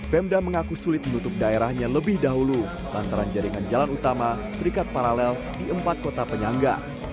pemda mengaku sulit menutup daerahnya lebih dahulu lantaran jaringan jalan utama terikat paralel di empat kota penyangga